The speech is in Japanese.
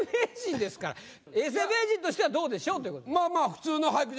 永世名人としてはどうでしょう？ということ。